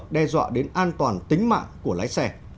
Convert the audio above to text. đe dọa đến an toàn tính mạng của lái xe